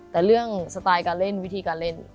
แต่เรื่องสไตล์การเล่นวิธีการเล่น